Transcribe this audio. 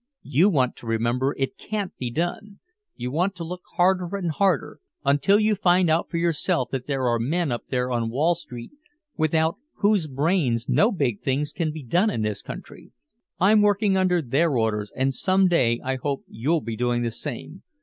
You want to remember it can't be done. You want to look harder and harder until you find out for yourself that there are men up there on Wall Street without whose brains no big thing can be done in this country. I'm working under their orders and some day I hope you'll be doing the same.